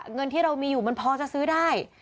เงินที่เรามีอยู่มันพอจะซื้อได้